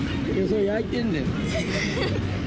焼いてんだよ。